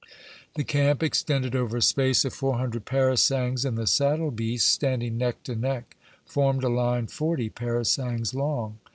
The camp extended over a space of four hundred parasangs, and the saddle beasts standing neck to neck formed a line forty parasangs long.